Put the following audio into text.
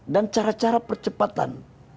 dan cara cara percepatan